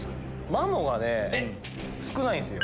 マモがね少ないんすよ。